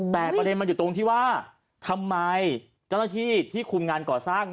แต่ประเด็นมันอยู่ตรงที่ว่าทำไมเจ้าหน้าที่ที่คุมงานก่อสร้าง